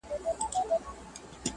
سندرغاړي نڅاگاني او سازونه٫